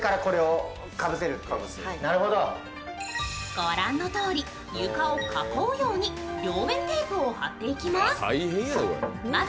御覧のとおり、床を囲うように両面テープを貼っていきます。